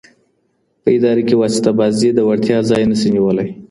په اداره کي واسطه بازي د وړتیا ځای نه سي نیولی.